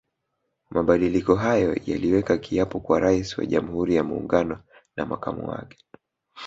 Mabadiliko hayo yaliweka kiapo kwa Raisi wa Jamhuri ya Muungano na makamu wake